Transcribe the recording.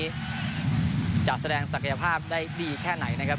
ร่วงทีมในครั้งนี้จะแสดงศักยภาพได้ดีแค่ไหนนะครับ